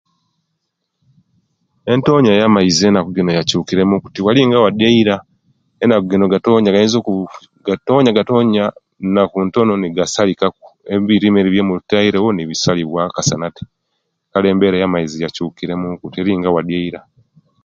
Entoonya yamaizi enakujino yakyukilemunku era tiwalinga waleira enaku jino gatoonya gaiza gatoonyagatoonya nigasalikaku ebirime byemuuba mutairewo nibisalibwaku nakasana kale embeera yamaizi yakyukiramuku teringa wadi ewaira